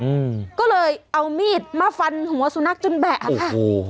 อืมก็เลยเอามีดมาฟันหัวสุนัขจนแบะค่ะโอ้โห